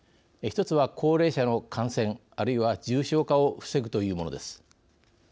１つは高齢者の感染、あるいは重症化を防ぐというものです。